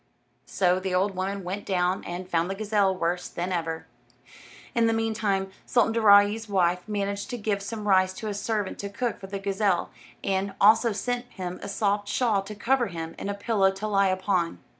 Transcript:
So the old woman went down and found the gazelle worse than ever. In the meantime Sultan Daaraaee's wife managed to give some rice to a servant to cook for the gazelle, and also sent him a soft shawl to cover him and a pillow to lie upon.